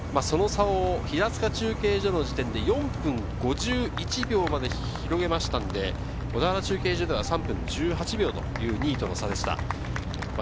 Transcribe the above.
その差を平塚中継所の時点で４分５１秒まで広げましたので小田原中継所では３分１８秒という２位との差でした。